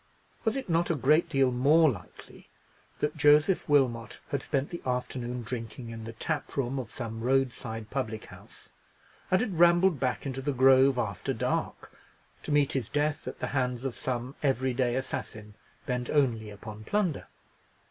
Was it not a great deal more likely that Joseph Wilmot had spent the afternoon drinking in the tap room of some roadside public house, and had rambled back into the grove after dark, to meet his death at the hands of some every day assassin, bent only upon plunder?